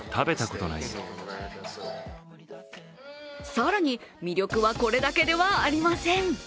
更に魅力はこれだけではありません。